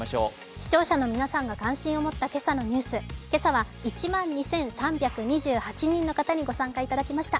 視聴者の皆さんが関心を持った今朝のニュース、今朝は１万２３２８人の方にご参加いただきました。